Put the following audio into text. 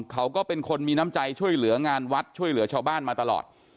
เขาก็เป็นคนมีน้ำใจช่วยเหลืองานวัดช่วยเหลือชาวบ้านมาตลอด